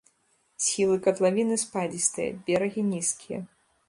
Схілы катлавіны спадзістыя, берагі нізкія.